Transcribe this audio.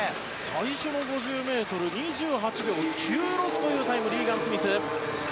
最初の５０ｍ２８秒９６というタイムリーガン・スミス。